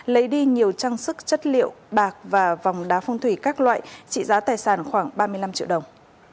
lấy đi nhiều trang sức chất liệu bạc và vòng đá phong thủy các loại trị giá tài sản khoảng ba mươi năm triệu đồng